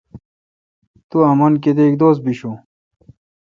تو امں کیتک دوس بشون۔